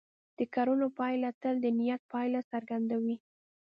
د کړنو پایله تل د نیت پایله څرګندوي.